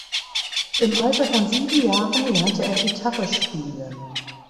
Im Alter von sieben Jahren lernte er Gitarre spielen.